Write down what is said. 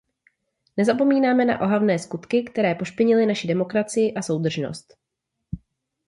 Nezapomínáme na ohavné skutky, které pošpinily naši demokracii a soudržnost.